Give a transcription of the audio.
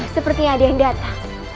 sepertinya ada yang datang